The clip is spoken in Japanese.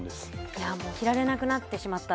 いやもう着られなくなってしまったＴシャツ